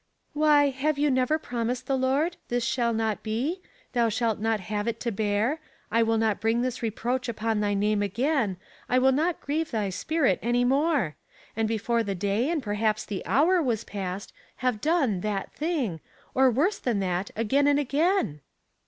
Why, have you never promised the Lord ' this shall not be ; thou shalt not have it to bear ; I will not bring this reproach upon thy name again ; I will not grieve thy spirit any more ;' and before the day and perhaps the hour, was past, have done ' that thing,' or worse than that, again and again